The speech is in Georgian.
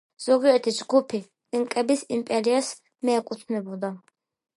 ზოგიერთი ჯგუფი ინკების იმპერიას მიეკუთვნებოდა.